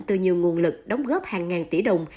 từ nhiều nguồn lực đóng góp hàng ngàn tỷ đồng